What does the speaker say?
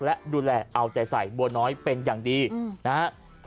และดูแลเอาใจใส่บัวน้อยเป็นอย่างดีนะครับ